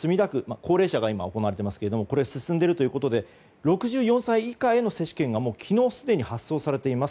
高齢者が今、行われてますがこれが進んでいるということで６４歳以下への接種券が昨日すでに発送されています。